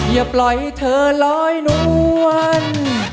อย่าปล่อยเธอลอยนวล